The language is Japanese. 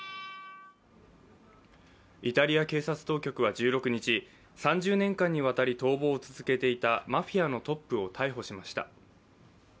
イタリア警察当局は１６日３０年間にわたり逃亡を続けていたマフィアのトップを逮捕しました。